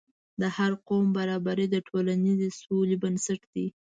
د هر قوم برابري د ټولنیزې سولې بنسټ دی.